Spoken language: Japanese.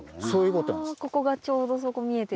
ここがちょうどそこ見えてる。